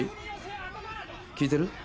聞いてる？